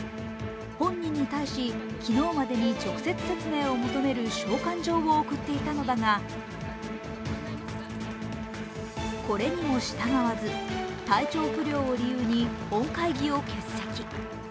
本人に対し昨日までに直接説明を求める召喚状を送っていたのだがこれにも従わず、体調不良を理由に本会議を欠席。